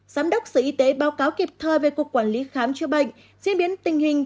giám đốc sở y tế báo cáo kịp thời về cục quản lý khám chữa bệnh diễn biến tình hình